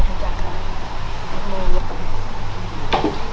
คิดว่าคนที่มีรบรับภาพ